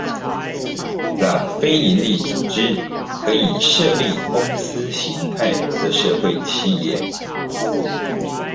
讓非營利組織可以設立公司型態的社會企業